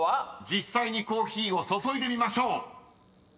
［実際コーヒーを注いでみましょう］